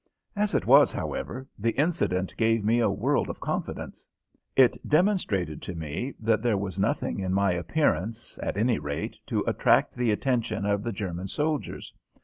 As it was, however, the incident gave me a world of confidence. It demonstrated to me that there was nothing in my appearance, at any rate, to attract the attention of the German soldiers.